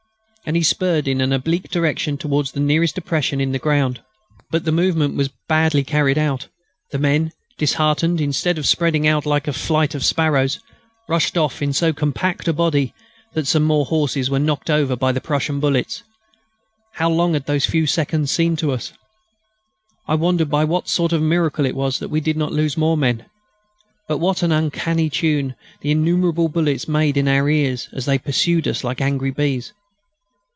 And he spurred in an oblique direction towards the nearest depression in the ground. But the movement was badly carried out. The men, disheartened, instead of spreading out like a flight of sparrows, rushed off in so compact a body that some more horses were knocked over by the Prussian bullets. How long those few seconds seemed to us! I wondered by what sort of miracle it was that we did not lose more men. But what an uncanny tune the innumerable bullets made in our ears as they pursued us like angry bees!